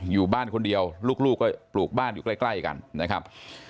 อยู่บ้านคนเดียวลูกก็ปลูกบ้านอยู่ใกล้กันนะครับ